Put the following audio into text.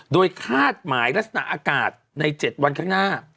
โดยคาดหมายลักษณะอากาศใน๗วันข้างหน้า